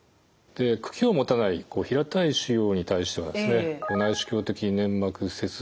茎を持たない平たい腫瘍に対しては内視鏡的粘膜切除術。